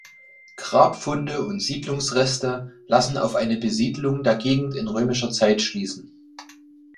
Grabfunde und Siedlungsreste lassen auf eine Besiedlung der Gegend in römischer Zeit schließen.